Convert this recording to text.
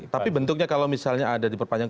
tapi bentuknya kalau misalnya ada diperpanjang